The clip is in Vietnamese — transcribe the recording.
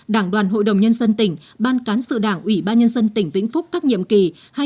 đảng đoàn hội đồng nhân dân tỉnh ban cán sự đảng ủy ban nhân dân tỉnh vĩnh phúc các nhiệm kỳ hai nghìn một mươi sáu hai nghìn hai mươi một